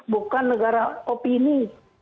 bukan negara opini